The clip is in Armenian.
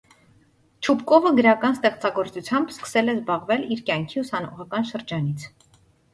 Չուբկովը գրական ստեղծագործությամբ սկսել է զբաղվել իր կյանքի ուսանողական շրջանից։